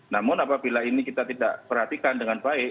namun apabila ini kita tidak perhatikan dengan baik